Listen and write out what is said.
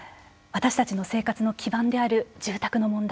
私たちの生活の基盤である住宅の問題。